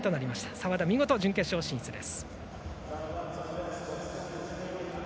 澤田、見事、準決勝進出です。